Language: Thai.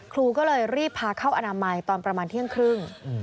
ครูก็เลยรีบพาเข้าอนามัยตอนประมาณเที่ยงครึ่ง